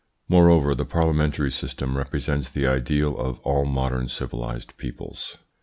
Moreover, the parliamentary system represents the ideal of all modern civilised peoples.